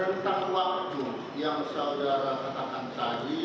rentang waktu yang saudara katakan tadi